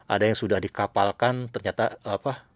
ada yang sudah dikapalkan ternyata apa